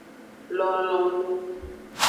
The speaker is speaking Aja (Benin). Lonlonu.